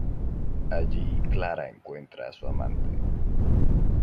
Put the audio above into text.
Allí, Clara encuentra a su amante.